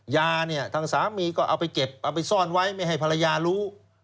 ยาเนี่ยทางสามีก็เอาไปเก็บเอาไปซ่อนไว้ไม่ให้ภรรยารู้